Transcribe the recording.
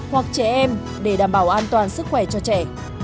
hoặc trẻ em để đảm bảo an toàn sức khỏe cho trẻ